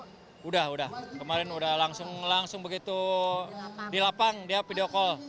sudah udah kemarin udah langsung begitu di lapang dia video call